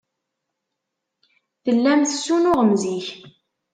Tellam tessunuɣem zik.